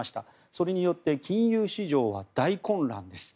それによって金融市場は大混乱です。